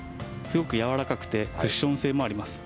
すごく柔らかくてクッション性もあります。